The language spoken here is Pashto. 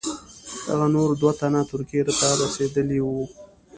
هغه نور دوه تنه ترکیې ته رسېدلي وه.